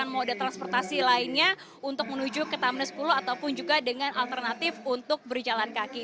moda transportasi lainnya untuk menuju ke tamnes sepuluh ataupun juga dengan alternatif untuk berjalan kaki